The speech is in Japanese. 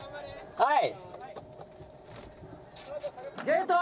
・はい！